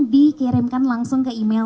dikirimkan langsung ke email